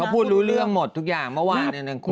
เขาพูดรู้เรื่องหมดทุกอย่างเมื่อวานเนี่ยคุยกัน